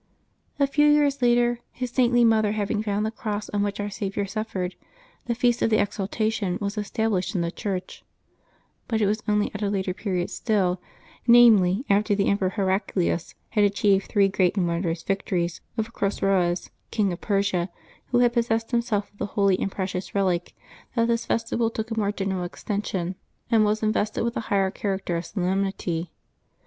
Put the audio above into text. A few years later, his saintly motlier having found the cross on which Our Saviour suffered, the feast of the " Exaltation " was established in the Church ; but it was only at a later period still, namely, after the Emperor Heraclius had achieved three great and wondrous victories over Chosroes, King of Persia, who had possessed himself of the holy and precious relic, that this festival took a more general extension, and was invested with a higher character of solemnity.